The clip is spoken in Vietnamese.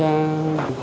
quét mã quy rờ